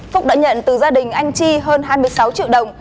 phúc đã nhận từ gia đình anh chi hơn hai mươi sáu triệu đồng